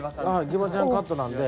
ギバちゃんカットなんで。